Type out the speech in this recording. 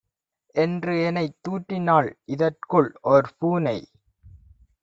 என்றுஎனைத் தூற்றினாள். இதற்குள் ஓர்பூனை